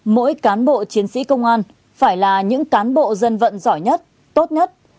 mỗi cán bộ chiến sĩ công an phải là những cán bộ dân vận giỏi nhất tốt nhất